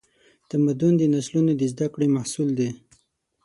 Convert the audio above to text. تمدن د نسلونو د زدهکړې محصول دی.